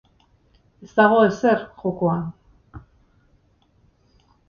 Ez dago ezer jokoan.